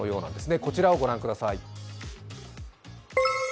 こちらをご覧ください。